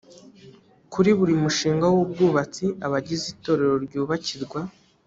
kuri buri mushinga w ubwubatsi abagize itorero ryubakirwa